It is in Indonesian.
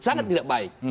sangat tidak baik